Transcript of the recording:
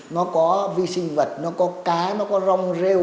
nó có vi sinh vật nó có cá nó có rong rêu